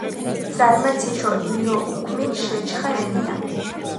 ზარმაციშო ირო უქმი ჟეშხა რენია.